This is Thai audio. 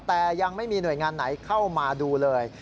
แต่ยังไม่มีหน่วยงานไหนเข้ามาดูเลย